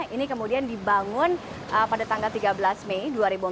ini kemudian dibangun pada tanggal tiga belas mei dua ribu empat belas